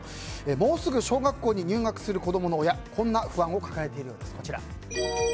もうすぐ小学校に入学する子供の親こんな不安を抱えています。